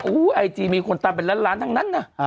อู้วไอจีมีคนตำเป็นล้านล้านทั้งนะ